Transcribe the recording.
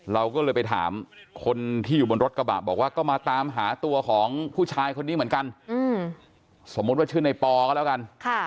เราก็เลยไปถามคนที่อยู่บนรถกระบะบอกว่าก็มาตามหาตัวของผู้ชายคนนี้เหมือนกันสมมุติว่าชื่อในปอก็แล้วกัน